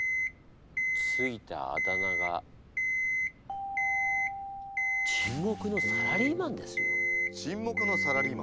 付いたあだ名が沈黙のサラリーマン！